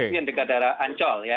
ini yang dekat daerah ancol ya